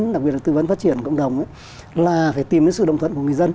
đặc biệt là tư vấn phát triển cộng đồng là phải tìm đến sự đồng thuận của người dân